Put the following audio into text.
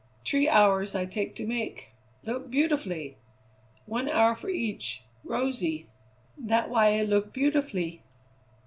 "Tree hours I take to make look beautifully. One hour for each rosy. That why it look beautifully."